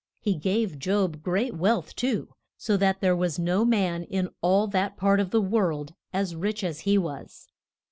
He gave Job great wealth, too, so that there was no man in all that part of the world as rich as he was.